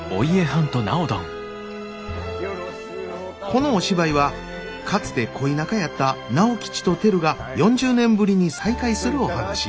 このお芝居はかつて恋仲やった直吉とてるが４０年ぶりに再会するお話。